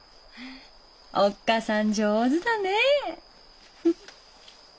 おっ母さん上手だねぇ。